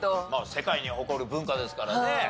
世界に誇る文化ですからね。